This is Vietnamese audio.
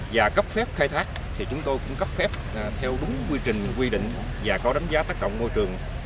và cấp phép khai thác thì chúng tôi cũng cấp phép theo đúng quy trình quy định và có đánh giá tác động môi trường